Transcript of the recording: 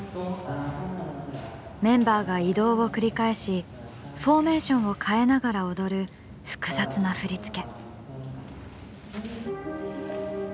メンバーが移動を繰り返しフォーメーションを変えながら踊る複雑な振り付け。